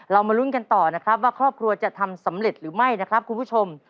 มาลุ้นกันต่อนะครับว่าครอบครัวจะทำสำเร็จหรือไม่นะครับคุณผู้ชม